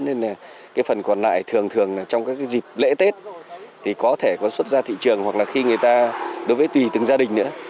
nên là cái phần còn lại thường thường trong các dịp lễ tết thì có thể có xuất ra thị trường hoặc là khi người ta đối với tùy từng gia đình nữa